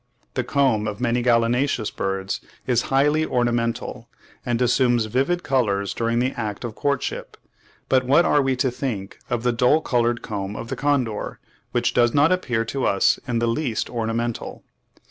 The comb of many gallinaceous birds is highly ornamental, and assumes vivid colours during the act of courtship; but what are we to think of the dull coloured comb of the condor, which does not appear to us in the least ornamental?